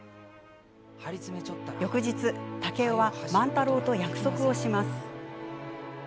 翌日竹雄は万太郎と約束をします。